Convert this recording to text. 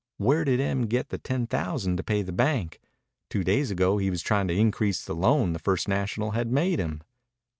Where did Em get the ten thousand to pay the bank? Two days ago he was tryin' to increase the loan the First National had made him."